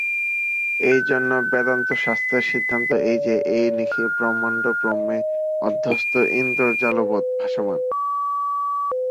এইজন্য বেদান্তশাস্ত্রের সিদ্ধান্ত এই যে, এই নিখিল ব্রহ্মাণ্ড ব্রহ্মে অধ্যস্ত ইন্দ্রজালবৎ ভাসমান।